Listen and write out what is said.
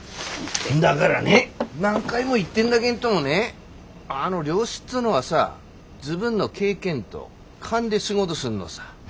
んだがらね何回も言ってんだげんどもねあの漁師っつうのはさ自分の経験ど勘で仕事すんのさ。